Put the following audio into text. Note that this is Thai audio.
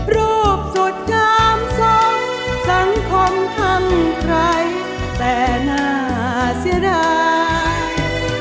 รูปสุดงามทรงสังคมทำใครแต่น่าเสียดาย